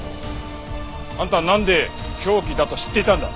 あんたはなんで凶器だと知っていたんだ？